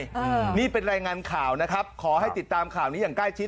อ่านี่เป็นรายงานข่าวนะครับขอให้ติดตามข่าวนี้อย่างใกล้ชิด